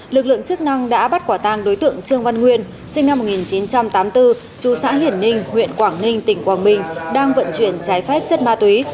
lực lượng chức năng đã bắt quả tang đối tượng trương văn nguyên sinh năm một nghìn chín trăm tám mươi bốn chú xã hiển ninh huyện quảng ninh tỉnh quảng bình đang vận chuyển trái phép chất ma túy